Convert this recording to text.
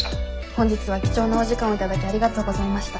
本日は貴重なお時間を頂きありがとうございました。